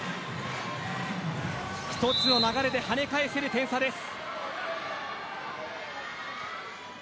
一つの流れで跳ね返せる点差です。